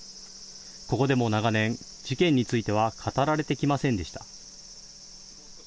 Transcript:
ここでも長年、事件については語られてきませんでした。